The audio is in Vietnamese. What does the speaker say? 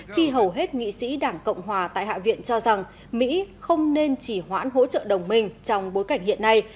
khi hầu hết nghị sĩ đảng cộng hòa tại hạ viện cho rằng mỹ không nên chỉ hoãn hỗ trợ đồng minh trong bối cảnh hiện nay